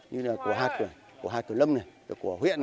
như là của hạt của lâm của huyện